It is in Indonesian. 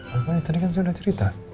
bapaknya tadi kan saya udah cerita